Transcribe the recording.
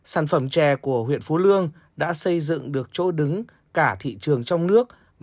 sản phẩm chè của huyện phú lương đã xây dựng được chỗ đứng cả thị trường trong nước